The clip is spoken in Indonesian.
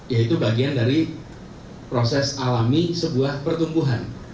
yaitu bagian dari proses alami sebuah pertumbuhan